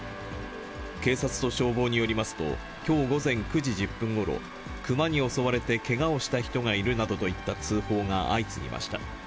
警察と消防によりますと、きょう午前９時１０分ごろ、クマに襲われてけがをした人がいるなどといった通報が相次ぎまし